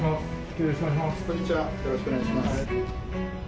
よろしくお願いします。